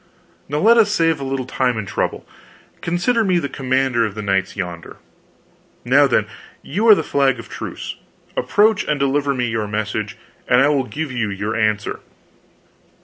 Now let us save a little time and trouble. Consider me the commander of the knights yonder. Now, then, you are the flag of truce; approach and deliver me your message, and I will give you your answer."